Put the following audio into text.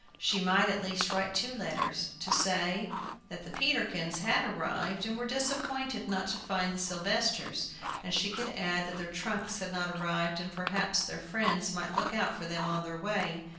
She might, at least, write two letters, to say that they the Peterkins had arrived, and were disappointed not to find the Sylvesters. And she could add that their trunks had not arrived, and perhaps their friends might look out for them on their way.